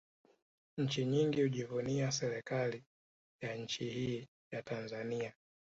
Nchi nyingi hujivunia serikali ya nchi hii ya Tanzania